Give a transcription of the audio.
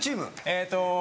えーっと。